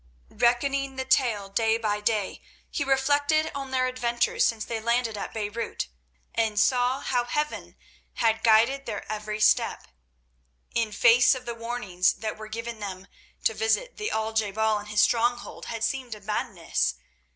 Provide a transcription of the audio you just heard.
Reckoning the tale day by day, he reflected on their adventures since they landed at Beirut, and saw how Heaven had guided their every step. In face of the warnings that were given them, to visit the Al je bal in his stronghold had seemed a madness.